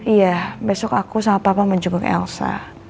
iya besok aku sama papa mau jenguk elsa